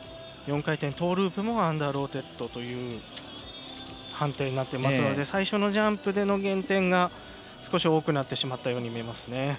４回転トーループもアンダーローテッドという判定になっていますので最初のジャンプでの減点が少し多くなった気がしますね。